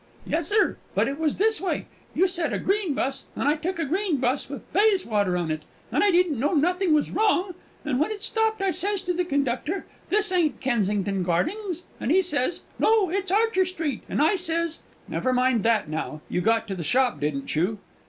"Yusser, but it was this way: you said a green 'bus, and I took a green 'bus with 'Bayswater' on it, and I didn't know nothing was wrong, and when it stopped I sez to the conductor, 'This ain't Kensington Gardings;' and he sez, 'No, it's Archer Street;' and I sez " "Never mind that now; you got to the shop, didn't you?"